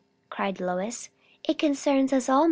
cried Lois. "It concerns us all.